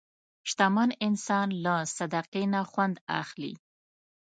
شتمن انسان له صدقې نه خوند اخلي.